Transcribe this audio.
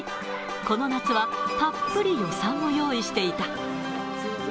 この夏はたっぷり予算を用意していた。